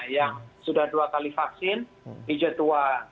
yang sudah dua kali vaksin hijau tua